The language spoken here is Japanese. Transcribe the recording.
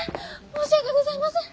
申し訳ございません。